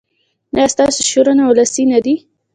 ایا ستاسو شعرونه ولسي نه دي؟